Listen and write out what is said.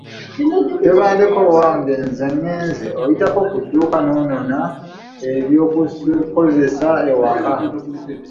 Tebandeke owange nze ngenze naye oyitako ku dduuka n’onona eby’okukozesa awaka.